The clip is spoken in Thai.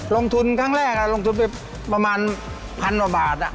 ลงทุนครั้งแรกลงทุนไปประมาณพันกว่าบาท